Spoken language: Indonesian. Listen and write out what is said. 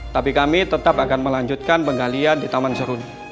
tapi kami tetap akan melanjutkan penggalian di taman serun